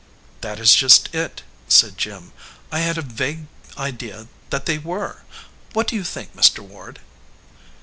"That is just it," said Jim. "I had a vague idea that they were. What do you think, Mr. Ward?"